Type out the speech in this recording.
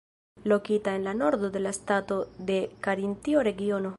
Lokita en la nordo de la stato de Karintio regiono.